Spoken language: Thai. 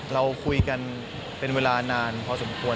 เราคุยกันเป็นเวลานานพอสมควร